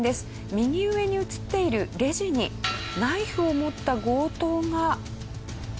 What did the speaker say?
右上に映っているレジにナイフを持った強盗が。